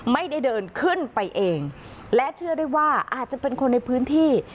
ไม่ได้เดินขึ้นไปเองและเชื่อได้ว่าอาจจะเป็นคนในพื้นที่